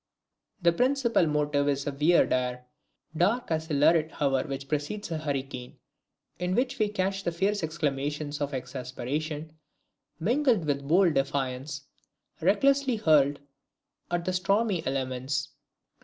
The principal motive is a weird air, dark as the lurid hour which precedes a hurricane, in which we catch the fierce exclamations of exasperation, mingled with a bold defiance, recklessly hurled at the stormy elements.